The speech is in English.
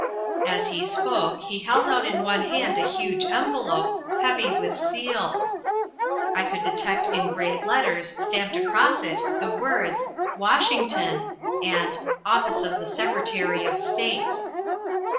As he spoke he held out in one hand a huge envelope, heavy with seals. I could detect in great letters stamped across it the words, WASHINGTON and OFFICE OF THE SECRETARY OF STATE.